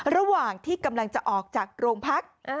ระหว่างที่กำลังจะออกจากโรงพัก